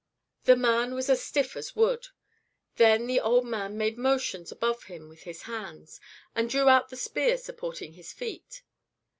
The man was as stiff as wood. Then the old man made motions above him with his hands, and drew out the spear supporting his feet.